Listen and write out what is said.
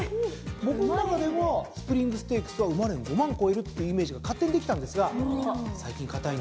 僕の中ではスプリングステークスは馬連５万超えるっていうイメージが勝手にできたんですが最近堅いんですよ。